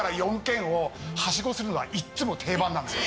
するのがいっつも定番なんですよ。